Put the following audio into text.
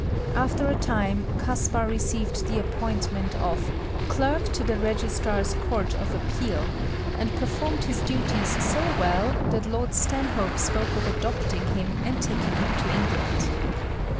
After a time Caspar received the appointment of Clerk to the Registrar's Court of Appeal, and performed his duties so well that Lord Stanhope spoke of adopting him and taking him to England.